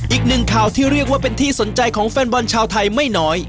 อีกหนึ่งข่าวที่เรียกว่าเป็นที่สนใจของแฟนบอลชาวไทยไม่น้อย